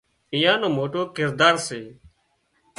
ايئان نو موٽو ڪردار سي